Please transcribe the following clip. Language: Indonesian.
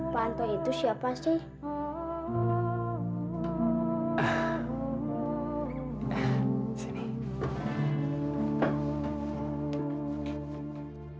pak anto itu siapa sih